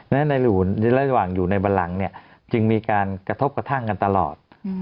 และระหว่างอยู่ในบรรหังจึงมีการกระทบกระทั่งกันตลอด